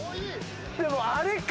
でもあれか！